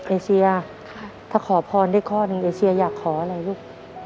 เอเชียถ้าขอพรได้ข้อหนึ่งเอเชียอยากขออะไรลูก